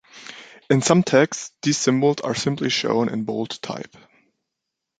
In some texts these symbols are simply shown in bold type.